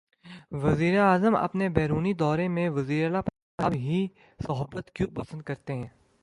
وزیراعظم اپنے بیرونی دورے میں وزیر اعلی پنجاب ہی کی صحبت کیوں پسند کرتے ہیں؟